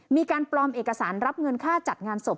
มีการปลอมเอกสารรับเงินค่าจัดงานศพ